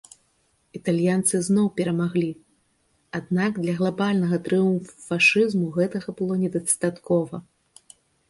Італьянцы зноў перамаглі, аднак для глабальнага трыумфу фашызму гэтага было недастаткова.